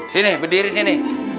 sini berdiri sini